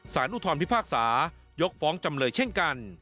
อุทธรพิพากษายกฟ้องจำเลยเช่นกัน